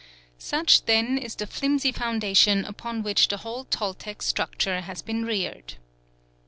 Such then is the flimsy foundation upon which the whole Toltec structure has been reared.